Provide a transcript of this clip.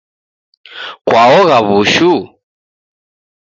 Kwaogha w'ushu?